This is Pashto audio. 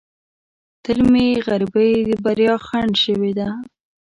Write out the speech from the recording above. تل مې غریبۍ د بریا خنډ شوې ده.